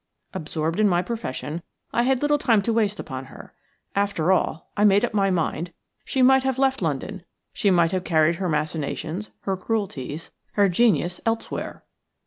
Absorbed in my profession, I had little time to waste upon her. After all, I made up my mind, she might have left London; she might have carried her machinations, her cruelties, and her genius elsewhere.